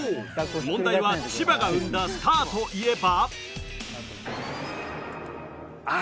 問題は千葉が生んだスターといえば？